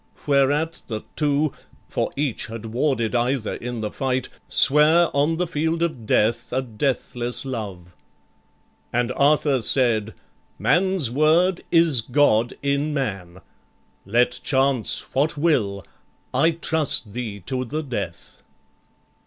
Whereat the two, For each had warded either in the fight, Sware on the field of death a deathless love. And Arthur said, "Man's word is God in man: Let chance what will, I trust thee to the death."